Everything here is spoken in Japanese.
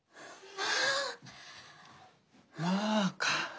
まああか。